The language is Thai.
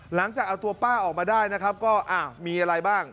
หลังจากเอาตัวป้าออกมาได้นะครับก็มีอะไรบ้าง